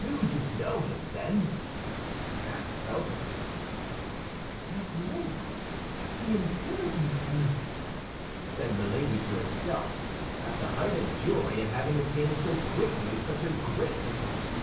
"Do you know him, then?" asked Felton. "At length he interrogates me!" said Milady to herself, at the height of joy at having obtained so quickly such a great result.